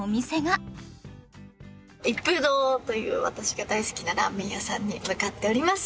一風堂という私が大好きなラーメン屋さんに向かっております。